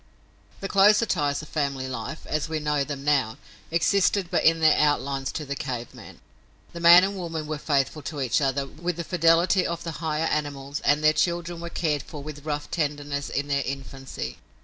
The closer ties of family life, as we know them now, existed but in their outlines to the cave man. The man and woman were faithful to each other with the fidelity of the higher animals and their children were cared for with rough tenderness in their infancy.